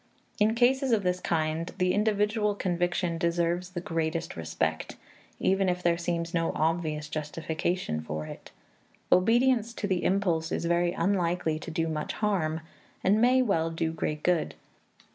In cases of this kind the individual conviction deserves the greatest respect, even if there seems no obvious justification for it. Obedience to the impulse is very unlikely to do much harm, and may well do great good.